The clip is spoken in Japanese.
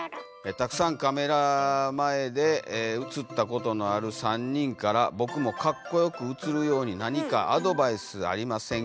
「沢山カメラ前で映った事のある３人から僕もかっこよく映るように何かアドバイスありませんか。